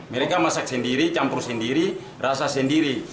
mereka masak sendiri campur sendiri rasa sendiri